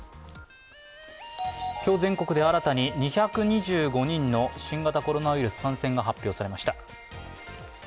今日、全国で新たに２２５人の新型コロナウイルス感染が発表されました。